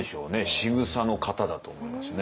しぐさの型だと思いますね。